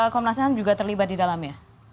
komnasnya juga terlibat di dalamnya